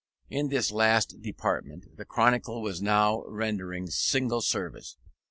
In this last department the Chronicle was now rendering signal service.